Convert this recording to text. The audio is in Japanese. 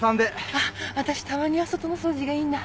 あっ私たまには外の掃除がいいな。